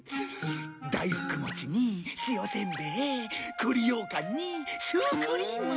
大福餅に塩せんべい栗ようかんにシュークリーム。